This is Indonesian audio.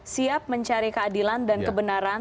siap mencari keadilan dan kebenaran